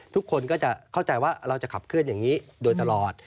ทุกคนก็จะเข้าใจว่าเราจะขับเคลื่อนอย่างนี้โดยตลอด